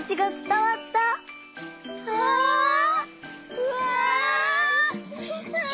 うわ！